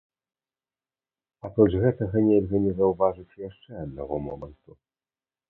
Апроч гэтага нельга не заўважыць яшчэ аднаго моманту.